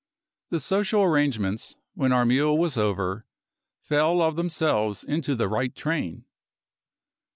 The social arrangements, when our meal was over, fell of themselves into the right train.